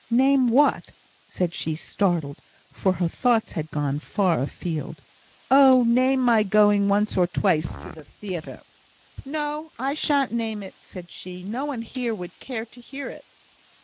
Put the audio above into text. "Name what?" said she, startled, for her thoughts had gone far afield. "Oh, name my going once or twice to the theatre!" "No, I shan't name it!" said she. "No one here would care to hear it."